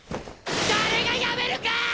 誰がやめるかあ！